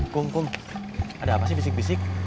kum kum ada apa sih bisik bisik